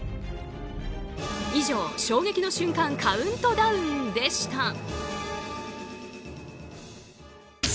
以上衝撃の瞬間カウントダウンでした。